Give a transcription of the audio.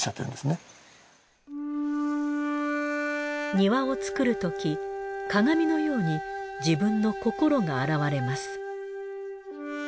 庭を造るとき鏡のように自分の心が表れます。